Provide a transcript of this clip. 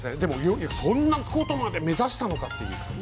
そんなことまで目指したのかと。